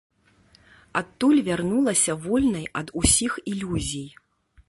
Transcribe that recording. Адтуль вярнулася вольнай ад усіх ілюзій.